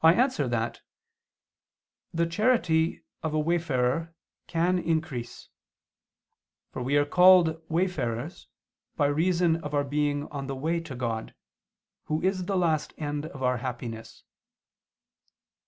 I answer that, The charity of a wayfarer can increase. For we are called wayfarers by reason of our being on the way to God, Who is the last end of our happiness.